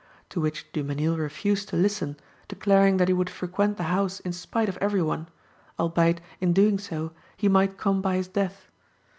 To which Dumesnil refused to listen, declaring that he would frequent the house in spite of every one; albeit, in doing so, he might come by his death.